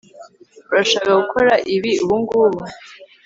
Urashaka gukora ibi ubungubu